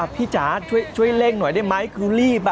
จ๋าช่วยเร่งหน่อยได้ไหมคือรีบ